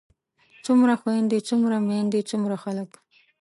څومره خويندے څومره ميايندے څومره خلک